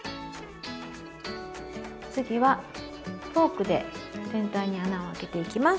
次はフォークで全体に穴を開けていきます。